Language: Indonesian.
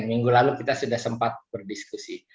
minggu lalu kita sudah sempat berdiskusi